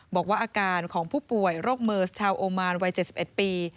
บอกว่าอาการของผู้ป่วยโรคเมิร์สชาวโอมานวัย๗๑ปี